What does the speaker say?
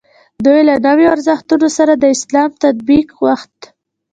دوی له نویو ارزښتونو سره د اسلام تطابق غوښت.